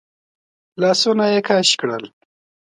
لاسونه يې کش کړل.